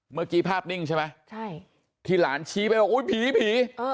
เมื่อกี้ภาพนิ่งใช่ไหมใช่ที่หลานชี้ไปว่าอุ้ยผีผี